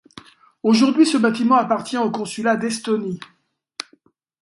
Aujourd'hui ce bâtiment appartient au consulat d'Estonie.